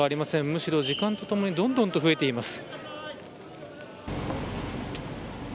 むしろ時間とともにどんどんと増えています。